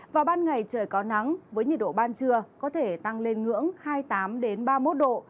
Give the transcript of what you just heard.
vào ban ngày trời có nắng với nhiệt độ ban trưa có thể tăng lên ngưỡng hai mươi tám ba mươi một độ